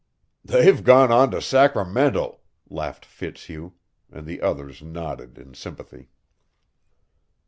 "They've gone on to Sacramento," laughed Fitzhugh; and the others nodded in sympathy.